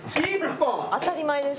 当たり前です。